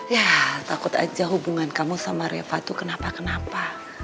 ya takut aja hubungan kamu sama reva itu kenapa kenapa